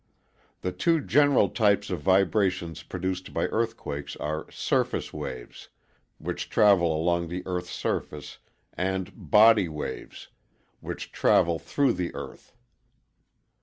The two general types of vibrations produced by earthquakes are surface waves, which travel along the EarthŌĆÖs surface, and body waves, which travel through the Earth.